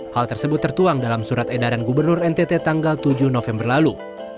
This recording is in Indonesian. hal tersebut tertuang dalam surat edaran gubernur ntt tanggal tujuh november lalu